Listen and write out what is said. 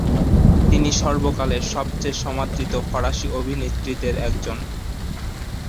তিনি সর্বকালের সবচেয়ে সমাদৃত ফরাসি অভিনেত্রীদের একজন।